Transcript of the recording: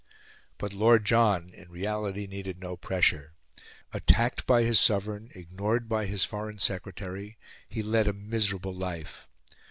But Lord John, in reality, needed no pressure. Attacked by his Sovereign, ignored by his Foreign Secretary, he led a miserable life.